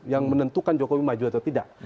yang menentukan jokowi maju atau tidak